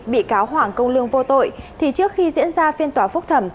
bị cáo hoàng công lương vô tội thì trước khi diễn ra phiên tòa phúc thẩm